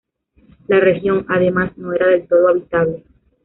La región, además, no era del todo habitable.